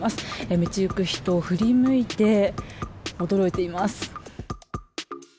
道行く人、振り向いて驚いています。